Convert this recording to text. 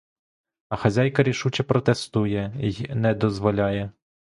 А хазяйка рішуче протестує й не дозволяє.